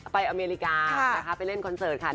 ไปอเมริกาไปเล่นคอนเสิร์ตขนาดไหน